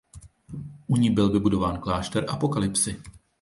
U ní byl vybudován klášter Apokalypsy.